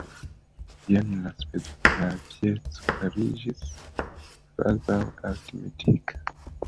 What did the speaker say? Jen la pieco fariĝis kvazaŭ 'aritmetika'.